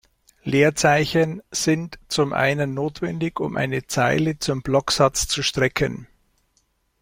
Leerzeichen sind zum einen notwendig, um eine Zeile zum Blocksatz zu strecken.